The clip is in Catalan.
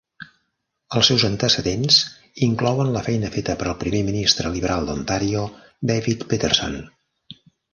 Els seus antecedents inclouen la feina feta per al primer ministre liberal d'Ontario David Peterson.